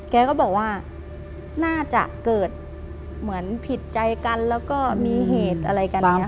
แกก็บอกว่าน่าจะเกิดเหมือนผิดใจกันแล้วก็มีเหตุอะไรกันอย่างนี้